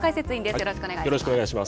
よろしくお願いします。